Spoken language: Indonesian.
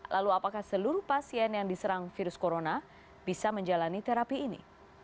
lalu apakah seluruh pasien yang diserang virus corona bisa menjalani terapi ini